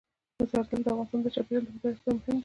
زردالو د افغانستان د چاپیریال د مدیریت لپاره مهم دي.